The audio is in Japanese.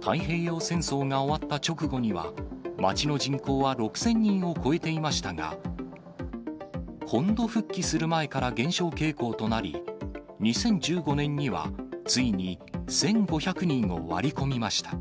太平洋戦争が終わった直後には、町の人口は６０００人を超えていましたが、本土復帰する前から減少傾向となり、２０１５年には、ついに１５００人を割り込みました。